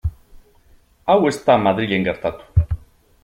Hau ez da Madrilen gertatu.